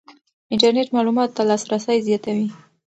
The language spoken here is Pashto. انټرنېټ معلوماتو ته لاسرسی زیاتوي.